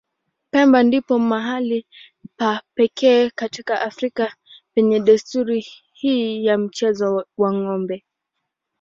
Pemba ndipo mahali pa pekee katika Afrika penye desturi hii ya mchezo wa ng'ombe.